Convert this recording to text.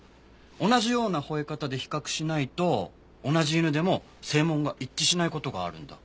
同じような吠え方で比較しないと同じ犬でも声紋が一致しない事があるんだ。